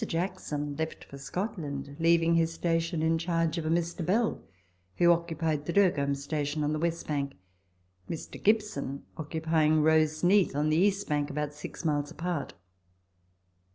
Jackson left for Scotland, leaving his station in charge of a Mr. Bell, who occupied the Dergholm Station on the Avestbank, Mr. Gibson occupying the Roseneath on the east bank about six miles apart.